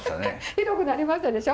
広くなりましたでしょ？